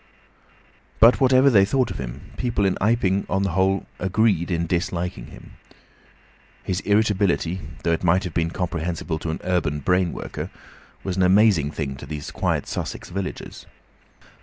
But whatever they thought of him, people in Iping, on the whole, agreed in disliking him. His irritability, though it might have been comprehensible to an urban brain worker, was an amazing thing to these quiet Sussex villagers.